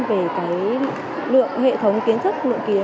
về lượng hệ thống kiến thức